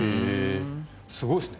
すごいですね。